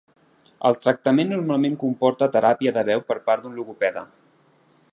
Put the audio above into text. El tractament normalment comporta teràpia de veu per part d'un logopeda.